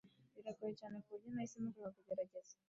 Biragoye cyane kuburyo nahisemo kureka kugerageza.